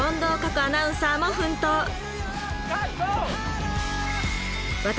アナウンサーも奮闘私